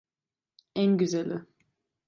En güzeli.